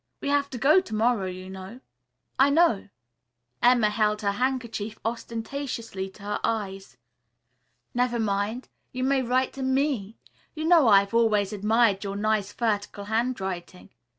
We have to go to morrow, you know." "I know." Emma held her handkerchief ostentatiously to her eyes. "Never mind. You may write to me. You know I have always admired your nice vertical handwriting.